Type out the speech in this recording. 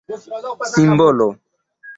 simbolo